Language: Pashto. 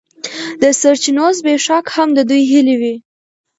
د سرچینو زبېښاک هم د دوی هیلې وې.